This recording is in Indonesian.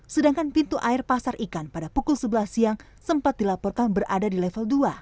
sedangkan pintu air pasar ikan pada pukul sebelas siang sempat dilaporkan berada di level dua